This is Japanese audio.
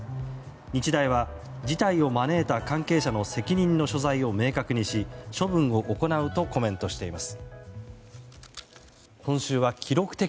日大は事態を招いた関係者の責任の所在を明確にし、処分を行うとコメントしています。